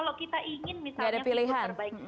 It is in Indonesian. kalau kita ingin misalnya pilihan terbaik